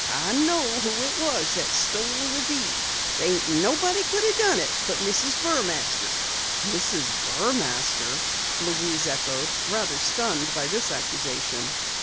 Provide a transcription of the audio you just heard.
"I know who it was that stole the deed. There ain't nobody could o' done it but Mrs. Burmaster!" "Mrs. Burmaster!" Louise echoed, rather stunned by the accusation.